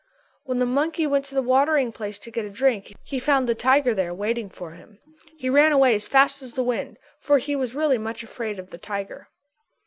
When the monkey went to the watering place to get a drink he found the tiger there waiting for him. He ran away as fast as the wind for he was really very much afraid of the tiger.